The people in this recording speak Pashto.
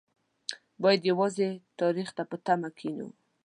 باید یوازې تاریخ ته په تمه کېنو.